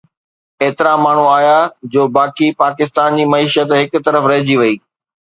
ايترا ماڻهو آيا جو باقي پاڪستان جي معيشت هڪ طرف رهجي وئي